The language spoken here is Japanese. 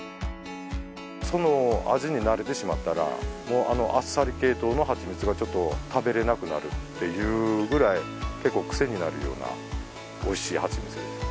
その味に慣れてしまったらもうあっさり系統の蜂蜜がちょっと食べられなくなるっていうくらい結構クセになるようなおいしい蜂蜜です。